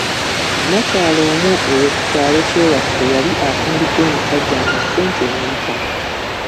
Nnakyala omu eyo ku kyalo kye waffe, yali afumbiddwa omusajja nga ssente emuyitaba.